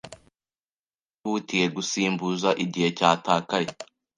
Yihutiye gusimbuza igihe cyatakaye.